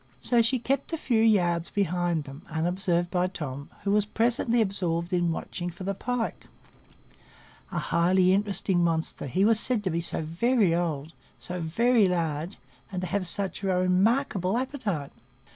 So she kept a few yards behind them, unobserved by Tom, who was presently absorbed in watching for the pike,—a highly interesting monster; he was said to be so very old, so very large, and to have such a remarkable appetite.